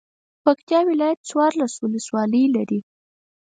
پکتیا ولایت څوارلس ولسوالۍ لري.